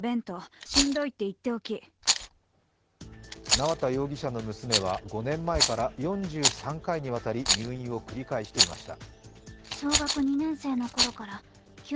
縄田容疑者の娘は５年前から４３回にわたり入院を繰り返していました。